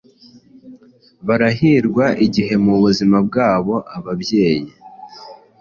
barahirwa igihe mu buzima bwabo ababyeyi